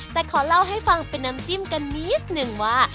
แต่ขอเล่าให้ฟังเป็นน้ำจิ้มกันนิดนึงว่า